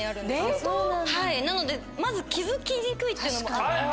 はいなのでまず気付きにくいっていうのもあって。